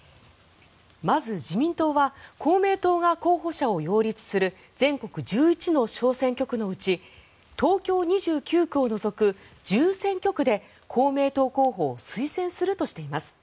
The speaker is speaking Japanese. まず自民党は公明党が候補者を擁立する全国１１の小選挙区のうち東京２９区を除く１０選挙区で公明党候補を推薦するとしています。